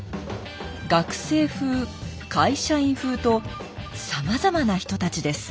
「学生風会社員風」とさまざまな人たちです。